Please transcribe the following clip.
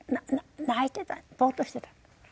泣いてたぼーっとしてた。